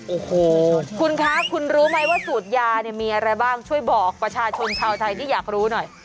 โอ้โหคุณคะคุณรู้ไหมว่าสูตรยาเนี่ยมีอะไรบ้างช่วยบอกประชาชนชาวไทยที่อยากรู้หน่อย